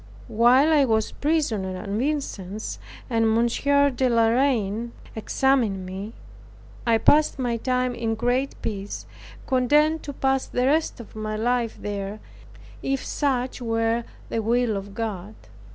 While I was prisoner at Vincennes, and Monsieur De La Reine examined me, I passed my time in great peace, content to pass the rest of my life there, if such were the will of God.